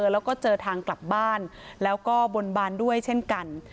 แล้วก็เจอทางกลับบ้านแล้วก็บนบานด้วยเช่นกัน